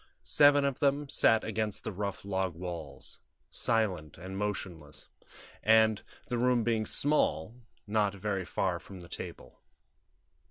Seven of them sat against the rough log walls, silent and motionless, and, the room being small, not very far from the table.